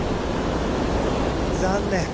残念。